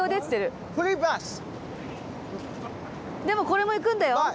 でもこれも行くんだよ。